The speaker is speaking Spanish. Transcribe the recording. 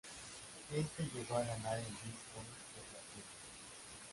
Éste llegó a ganar el disco de platino.